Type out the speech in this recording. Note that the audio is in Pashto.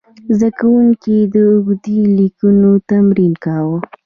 زده کوونکي د اوږدو لیکنو تمرین کاوه.